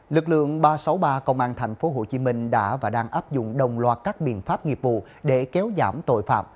lực lượng ba trăm sáu mươi ba công an tp hcm đã và đang áp dụng đồng loạt các biện pháp nghiệp vụ để kéo giảm tội phạm